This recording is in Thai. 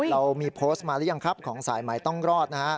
เรามีโพสต์มาหรือยังครับของสายหมายต้องรอดนะฮะ